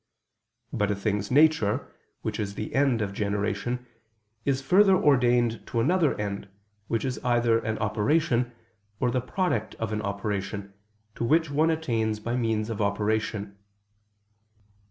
But a thing's nature, which is the end of generation, is further ordained to another end, which is either an operation, or the product of an operation, to which one attains by means of operation.